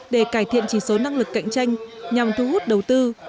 để cải thiện chỉ số năng lực cạnh tranh nhằm thu hút đầu tư